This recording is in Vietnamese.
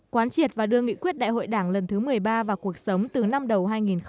quán triệt và đưa nghị quyết đại hội đảng lần thứ một mươi ba vào cuộc sống từ năm đầu hai nghìn một mươi năm